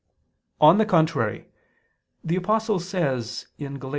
On the contrary, The Apostle says (Gal.